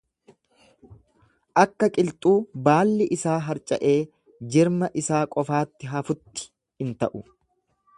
Akka qilxuu baalli isaa harca'ee jirma isaa qofaatti hafutti in ta'u.